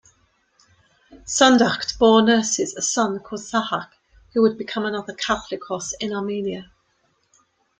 Sanducht bore Nerses a son called Sahak, who would become another Catholicos in Armenia.